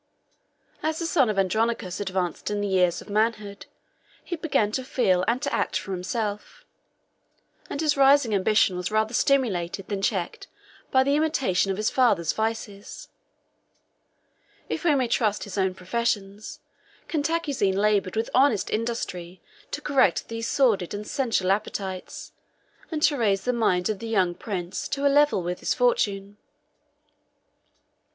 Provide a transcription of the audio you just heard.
As the son of Andronicus advanced in the years of manhood, he began to feel and to act for himself; and his rising ambition was rather stimulated than checked by the imitation of his father's vices. If we may trust his own professions, Cantacuzene labored with honest industry to correct these sordid and sensual appetites, and to raise the mind of the young prince to a level with his fortune.